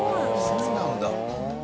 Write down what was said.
そうなんだ。